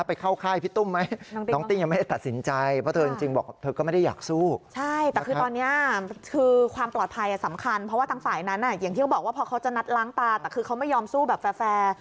พอเขาจะนัดล้างตาแต่คือเขาไม่ยอมสู้แบบแฟร์